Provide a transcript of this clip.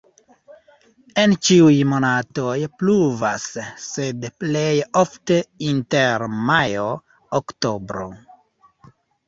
En ĉiuj monatoj pluvas, sed plej ofte inter majo-oktobro.